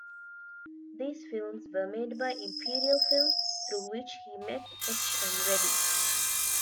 These films were made by Imperial Films, through which he met H. M. Reddy.